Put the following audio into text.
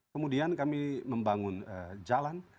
kemudian kami membangun jalan